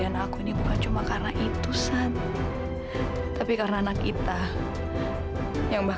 aku masuk dulu ke kamar ya